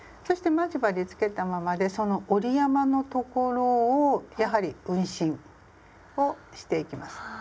そして待ち針つけたままでその折り山の所をやはり運針をしていきます。